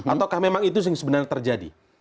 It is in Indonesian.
ataukah memang itu yang sebenarnya terjadi